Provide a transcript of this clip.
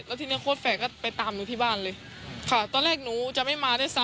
แล้วทีเนี้ยโค้ดแฝดก็ไปตามหนูที่บ้านเลยค่ะตอนแรกหนูจะไม่มาด้วยซ้